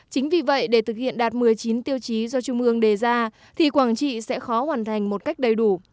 chính vì vậy để thực hiện đạt một mươi chín tiêu chí do trung ương đề ra thì quảng trị sẽ khó hoàn thành một cách đầy đủ